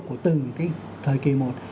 của từng cái thời kỳ một